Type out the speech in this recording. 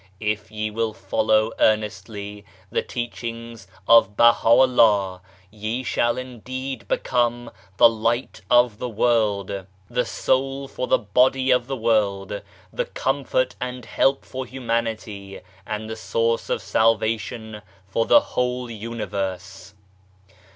If ye will follow earnestly the teachings of Baha'u'llah, ye shall indeed become the Light of the World, the Soul for the Body of the World, the Comfort and Help for Humanity, and the source of salvation for the whole universe.